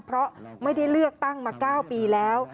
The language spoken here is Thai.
เพราะไม่ได้เลือกตั้งมา๙ปีแล้ว